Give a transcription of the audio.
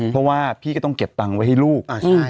เพราะว่าพี่ก็ต้องเก็บตังค์ไว้ให้ลูก